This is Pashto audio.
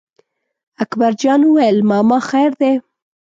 اکبر جان وویل: ماما خیر دی.